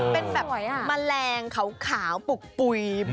เป็นแบบแมลงขาวปุกปุ๋ย